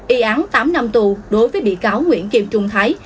y án tám năm tù đối với bị cáo nguyễn kim trung thái